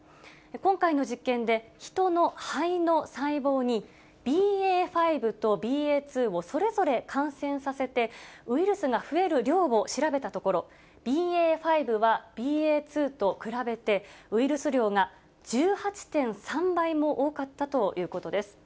今回の実験で、ヒトの肺の細胞にＢＡ．５とＢＡ．２をそれぞれ感染させて、ウイルスが増える量を調べたところ、ＢＡ．５はＢＡ．２と比べてウイルス量が１８．３倍も多かったということです。